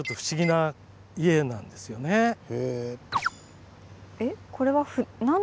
へえ。